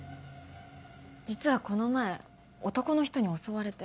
実はこの前男の人に襲われて。